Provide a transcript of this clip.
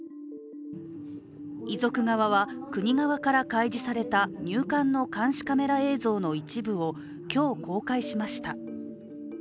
遺族側は、国側から開示された入管の監視カメラ映像の一部を今日、公開しました。